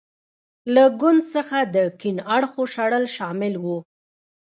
له ګوند څخه د کیڼ اړخو شړل شامل و.